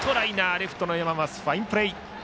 レフトの山増がファインプレー。